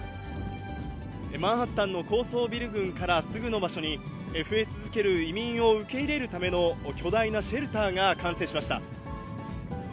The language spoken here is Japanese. マンハッタンの高層ビル群からすぐの場所に、増え続ける移民を受け入れるための巨大なシェルターが完成しました。